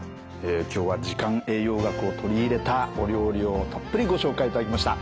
今日は時間栄養学を取り入れたお料理をたっぷりご紹介いただきました。